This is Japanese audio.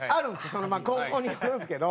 そのまあ高校によるんですけど。